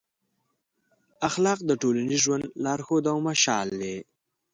اخلاق د ټولنیز ژوند لارښود او مشال دی.